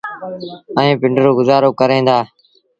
ائيٚݩ پنڊرو گزآرو ڪريݩ دآ۔